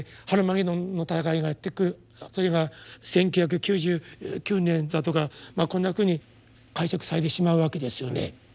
「ハルマゲドンの戦い」がやって来るそれが１９９９年だとかこんなふうに解釈されてしまうわけですよね。